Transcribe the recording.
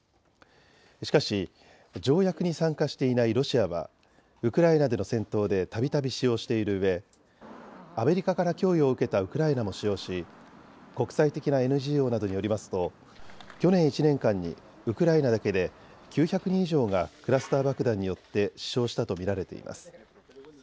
しかし、条約に参加していないロシアはウクライナでの戦闘でたびたび使用しているうえアメリカから供与を受けたウクライナも使用し国際的なＮＧＯなどによりますと去年１年間にウクライナだけで９００人以上がクラスター爆弾によって死傷したと見られています。